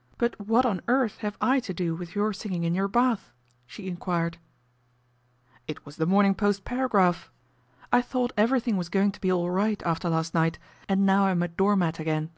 " But what on earth have I to do with your singing in your bath ?" she enquired. " It was The Morning Post paragraph. I 166 PATRICIA BRENT, SPINSTER thought everything was going to be all right after last night, and now I'm a door mat again."